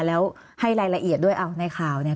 แล้วให้รายละเอียดด้วยเอาในข่าวเนี่ย